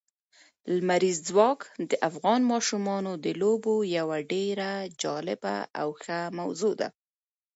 لمریز ځواک د افغان ماشومانو د لوبو یوه ډېره جالبه او ښه موضوع ده.